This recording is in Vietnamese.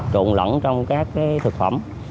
trộn lẫn trong các thực phẩm